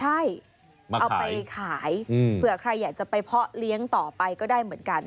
ใช่เอาไปขายเผื่อใครอยากจะไปเพาะเลี้ยงต่อไปก็ได้เหมือนกัน